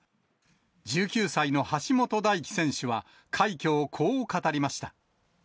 １９歳の橋本大輝選手は快挙をこう語りました。